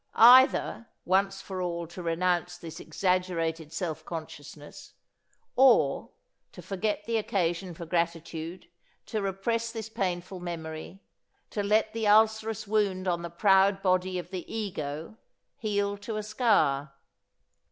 Either once for all to renounce this exaggerated self consciousness, or to forget the occasion for gratitude, to repress this painful memory, to let the ulcerous wound on the proud body of the "ego" heal to a scar.